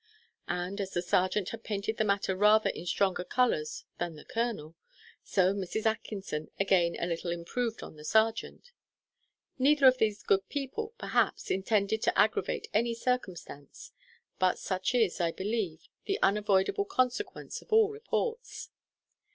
And, as the serjeant had painted the matter rather in stronger colours than the colonel, so Mrs. Atkinson again a little improved on the serjeant. Neither of these good people, perhaps, intended to aggravate any circumstance; but such is, I believe, the unavoidable consequence of all reports.